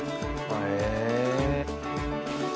へえ！